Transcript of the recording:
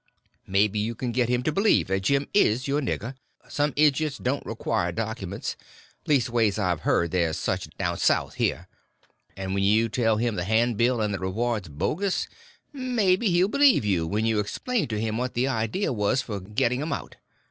Maybe you can get him to believe that Jim is your nigger—some idiots don't require documents—leastways I've heard there's such down South here. And when you tell him the handbill and the reward's bogus, maybe he'll believe you when you explain to him what the idea was for getting 'em out.